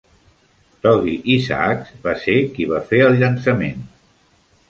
Dougie Isaacs va ser qui va fer el llançament.